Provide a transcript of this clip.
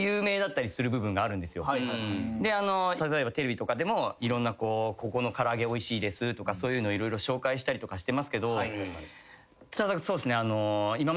例えばテレビとかでもここの唐揚げおいしいですとかそういうのを色々紹介したりとかしてますけど。